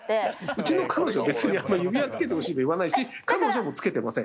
うちの彼女は別に指輪つけてほしいって言わないし彼女もつけてません。